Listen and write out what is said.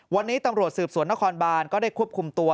วันนี้ตำรวจสืบสวนนครบานก็ได้ควบคุมตัว